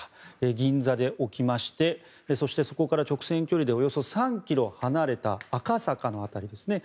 銀座で起きましてそしてそこから直線距離でおよそ３ｋｍ離れた赤坂の辺りですね